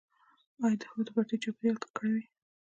آیا د خښتو بټۍ چاپیریال ککړوي؟